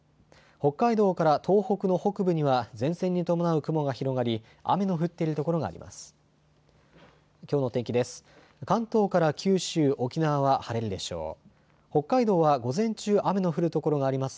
北海道から東北の北部には前線に伴う雲が広がり雨の降っている所があります。